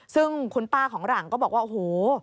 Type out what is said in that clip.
ซึ่งคุณป้าของหลังก็บอกว่าโอ้โห